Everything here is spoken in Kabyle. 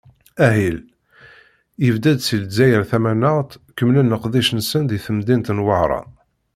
Ahil, yebda-d seg Lezzayer tamaneɣt, kemmlen leqdic-nsen deg temdint n Wehran.